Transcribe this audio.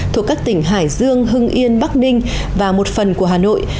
thuộc các tỉnh hải dương hưng yên bắc ninh và một phần của hà nội